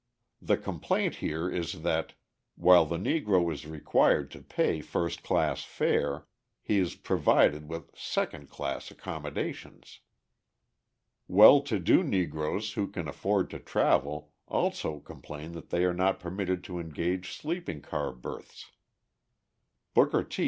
The complaint here is that, while the Negro is required to pay first class fare, he is provided with second class accommodations. Well to do Negroes who can afford to travel, also complain that they are not permitted to engage sleeping car berths. Booker T.